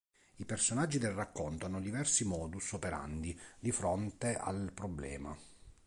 I personaggi del racconto hanno diversi modus operandi di fronte al problema.